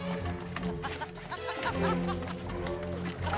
ハハハハ！